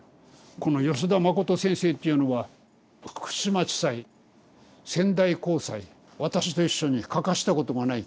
この吉田信先生っていうのは福島地裁仙台高裁私と一緒に欠かしたことがないんですよ。